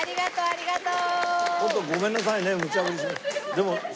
ありがとう。